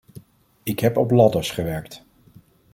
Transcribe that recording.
Ik heb op ladders gewerkt.